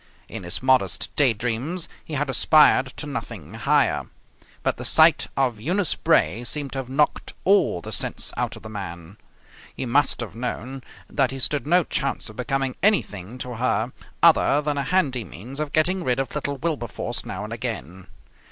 In his modest day dreams he had aspired to nothing higher. But the sight of Eunice Bray seemed to have knocked all the sense out of the man. He must have known that he stood no chance of becoming anything to her other than a handy means of getting rid of little Wilberforce now and again.